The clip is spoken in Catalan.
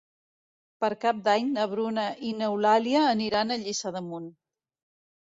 Per Cap d'Any na Bruna i n'Eulàlia aniran a Lliçà d'Amunt.